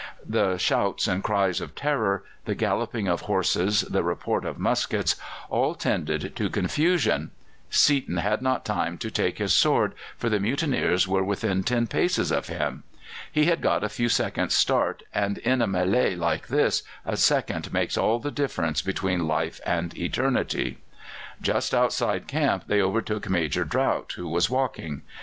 The shouts and cries of terror, the galloping of horses, the report of muskets, all tended to confusion. Seaton had not time to take his sword, for the mutineers were within ten paces of him. He had got a few seconds' start, and in a mêlée like this a second makes all the difference between life and eternity. Just outside camp they overtook Major Drought, who was walking.